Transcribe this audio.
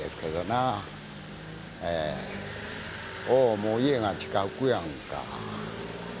もう家が近くやんか。